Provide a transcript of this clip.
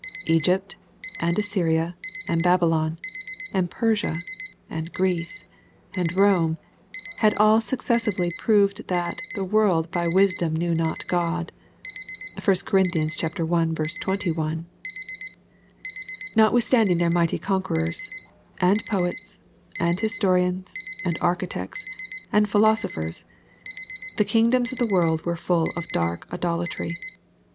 Egypt, and Assyria, and Babylon, and Persia, and Greece, and Eome, had all successively proved that " the world by wisdom knew not God.'' (1 Cor. i. 21.) Notwithstanding their mighty conquerors, and poets, and historians, and architects, and philoso phers, the kingdoms of the world were full of dark idolatry.